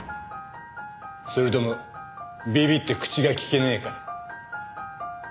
それともビビって口が利けねえか？